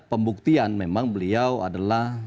pembuktian memang beliau adalah